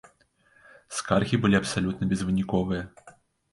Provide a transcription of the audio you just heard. Скаргі былі абсалютна безвыніковыя.